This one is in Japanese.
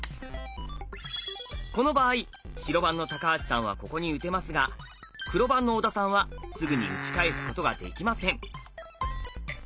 この場合白番の橋さんはここに打てますが黒番の小田さんはすぐに打ち返すことができません。